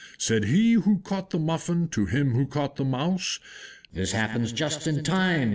Said he who caught the Muffin to him who caught the Mouse, "This happens just in time!